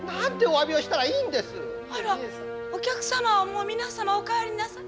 あらお客様はもう皆様お帰りなさい。